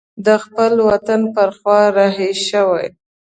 د خپل وطن پر خوا رهي شوی.